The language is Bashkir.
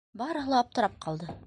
Барыһы ла аптырап ҡалды.